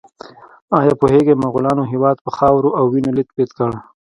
ایا پوهیږئ مغولانو هېواد په خاورو او وینو لیت پیت کړ؟